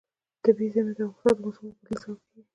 طبیعي زیرمې د افغانستان د موسم د بدلون سبب کېږي.